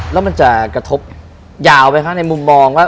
แล้วมันจะกระทบยาวไหมคะในมุมมองว่า